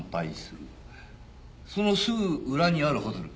そのすぐ裏にあるホテル。